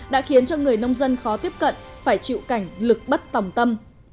đã khiến cho người nông dân khó tiếp cận phải chịu cảnh lực bất tòng tâm